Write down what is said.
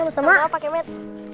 sama sama pak kemet